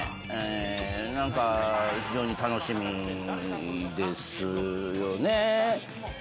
何か非常に楽しみですよね。